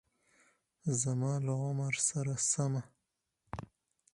زما له عمر سره سمه